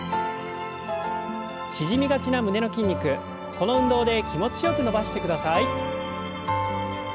縮みがちな胸の筋肉この運動で気持ちよく伸ばしてください。